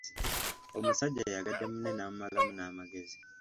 Omusajja ayagadde munne n’amumalamu n’amagezi.